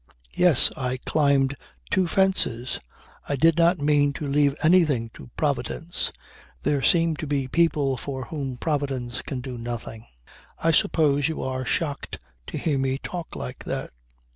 Yes. I climbed two fences. I did not mean to leave anything to Providence. There seem to be people for whom Providence can do nothing. I suppose you are shocked to hear me talk like that?"